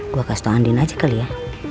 gue kasih to andin aja kali ya